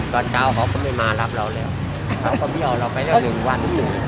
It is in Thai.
ก่อนเช้าเขาก็ไม่มารับเราแล้วเขาก็ไม่เอาเราไปแล้ว๑วัน